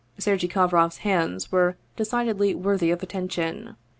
Sergei KovrofFs hands were de cidedly worthy of attention.